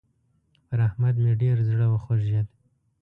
پر احمد مې ډېر زړه وخوږېد.